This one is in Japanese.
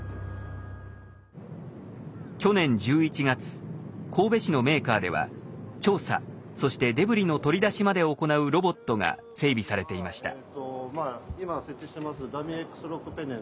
去年１１月神戸市のメーカーでは調査そしてデブリの取り出しまでを行うロボットが整備されていました。